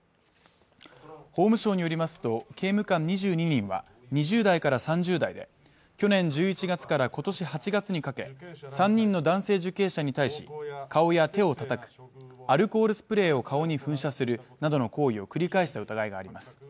法務省によりますと刑務官２２人は２０代から３０代で去年１１月からことし８月にかけて３人の男性受刑者に対し顔や手をたたくアルコールスプレーを顔に噴射するなどの行為を繰り返した疑いがあります